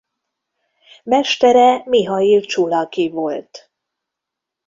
Mestere Mihail Csulaki volt.